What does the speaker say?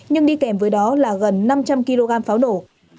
nhưng đi kèm với đó là gần năm trăm linh kg pháo nổ